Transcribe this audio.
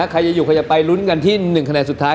ใครจะอยู่ใครจะไปลุ้นกันที่๑คะแนนสุดท้าย